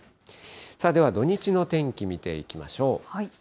では土日の天気、見ていきましょう。